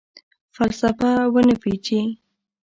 فلسفه ونه پیچي